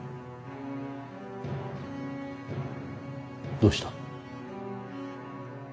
どうした？